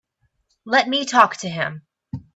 Let me talk to him.